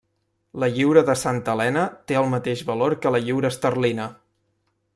La lliura de Santa Helena té el mateix valor que la lliura esterlina.